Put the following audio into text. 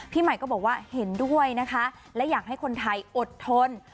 ใหม่ก็บอกว่าเห็นด้วยนะคะและอยากให้คนไทยอดทน